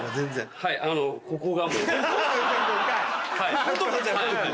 こことかじゃなくて？